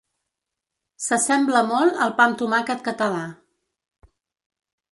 S'assembla molt al pa amb tomàquet català.